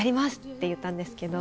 って言ったんですけど。